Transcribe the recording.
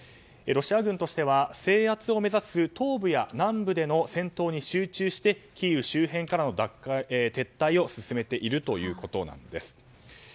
ロシア軍としては制圧を目指す東部や南部での戦闘に集中してキーウ周辺からの撤退を進めているということなんです。